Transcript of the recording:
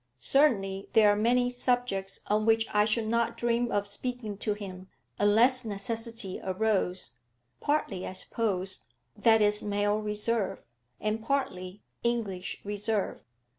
Certainly there are many subjects on which I should not dream of speaking to him unless necessity arose; partly, I suppose, that is male reserve, and partly English reserve.